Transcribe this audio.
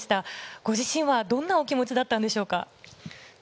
ご自身はどんなお気持ちだったのでしょうか。